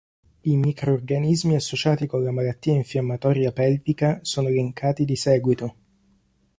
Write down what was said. I microrganismi associati con la malattia infiammatoria pelvica sono elencati di seguito.